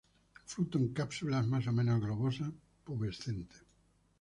Fruto en cápsula más o menos globosa, pubescente.